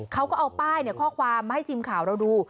เขาก็เอาป้ายข้อความมาให้ทีมข่าวเราดู